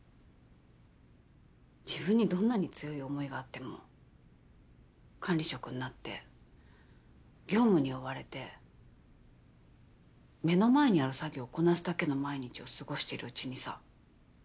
自分にどんなに強い思いがあっても管理職になって業務に追われて目の前にある作業をこなすだけの毎日を過ごしているうちにさ